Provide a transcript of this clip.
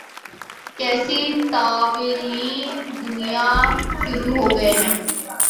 کیسی تاویلیں دینا شروع ہو گئے ہیں۔